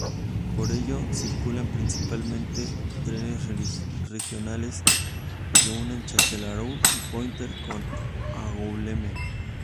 Por ella circulan principalmente trenes regionales que unen Châtellerault o Poitiers con Angoulême.